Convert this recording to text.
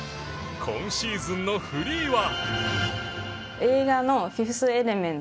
今シーズンのフリーは。